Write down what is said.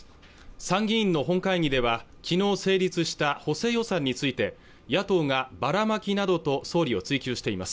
参議院の本会議ではきのう成立した補正予算について野党がばらまきなどと総理を追及しています